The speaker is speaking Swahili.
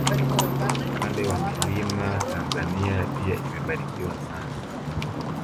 Kwa upande wa milima Tanzania pia imebarikiwa sana